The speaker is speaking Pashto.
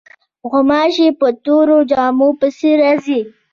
غوماشې په تورو جامو پسې راځي.